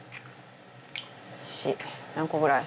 よし何個ぐらい？